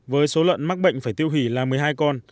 với số lợn mắc bệnh phải tiêu hủy là một mươi hai con